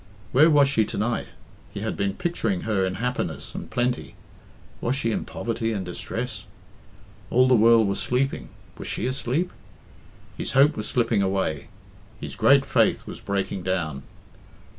Where was she to night? He had been picturing her in happiness and plenty was she in poverty and distress? All the world was sleeping was she asleep? His hope was slipping away; his great faith was breaking down.